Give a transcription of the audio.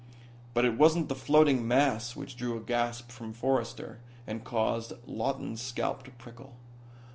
But it wasn't the floating mass which drew a gasp from Forrester, and caused Lawton's scalp to prickle.